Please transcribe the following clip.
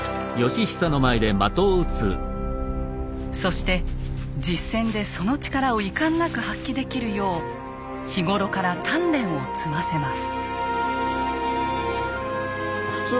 そして実戦でその力をいかんなく発揮できるよう日頃から鍛錬を積ませます。